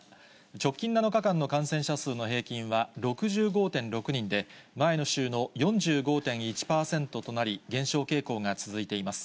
直近７日間の感染者数の平均は６５．６人で、前の週の４５．１％となり、減少傾向が続いています。